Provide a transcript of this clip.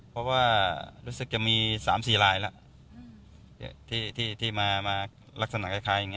เพราะว่ารู้สึกจะมี๓๔ลายแล้วที่มาลักษณะคล้ายอย่างนี้